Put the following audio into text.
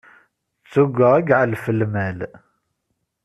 D tuga i iɛellef lmal.